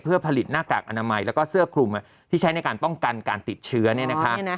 เพื่อผลิตหน้ากากอนามัยแล้วก็เสื้อคลุมที่ใช้ในการป้องกันการติดเชื้อเนี่ยนะคะ